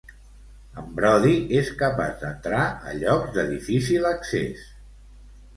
En Brody és capaç d'entrar a llocs de difícil accés.